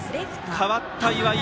代わった岩井